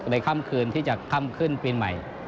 ค่ำคืนที่จะค่ำขึ้นปีใหม่